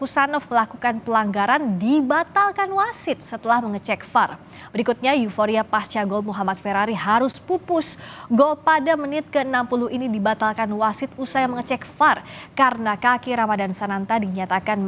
saya ingin mengucapkan selamat menang ke uzebakistan